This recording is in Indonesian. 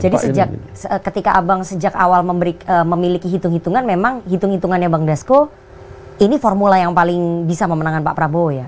jadi ketika abang sejak awal memiliki hitung hitungan memang hitung hitungannya bang dasko ini formula yang paling bisa memenangkan pak prabowo ya